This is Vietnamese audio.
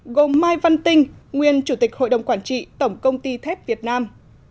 gồm mai văn tinh nguyên chủ tịch hội đồng quản trị tổng công ty thép việt nam